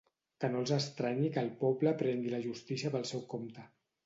Que no els estranyi que el poble prengui la justícia pel seu compte.